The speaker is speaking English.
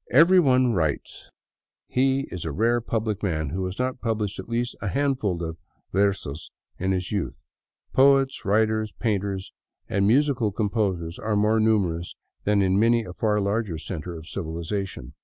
*' Everyone " writes. He is a rare public man who has not published at least a handful of " versos " in his youth. Poets, writers, painters, and musical composers are more numerous than in many a far larger center of civilization.